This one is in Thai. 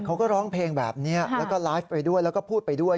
เขาก็ร้องเพลงแบบนี้แล้วก็ไลฟ์ไปด้วยแล้วก็พูดไปด้วย